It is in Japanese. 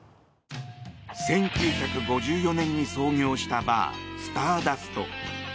１９５４年に創業したバースターダスト。